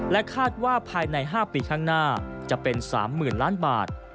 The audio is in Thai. คาดว่าภายใน๕ปีข้างหน้าจะเป็น๓๐๐๐ล้านบาท